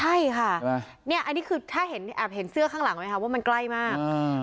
ใช่ค่ะเนี่ยอันนี้คือถ้าเห็นแอบเห็นเสื้อข้างหลังไหมคะว่ามันใกล้มาก